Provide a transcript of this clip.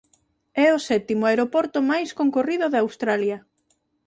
É o sétimo aeroporto máis concorrido de Australia.